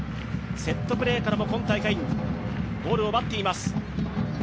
セットプレーからも今大会、ゴールを奪っています。